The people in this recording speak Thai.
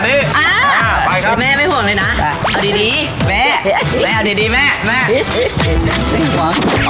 ไปครับแม่ไม่ห่วงเลยน่ะเอาดีดีแม่แม่เอาดีดีแม่แม่